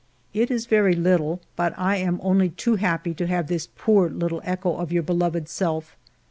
It is very little, but I am only too happy to have this poor little echo of your beloved self.